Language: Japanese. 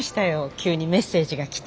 急にメッセージが来て。